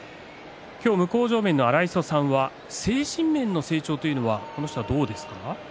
荒磯さん、精神面の成長というのはこの人はどうでしょうか。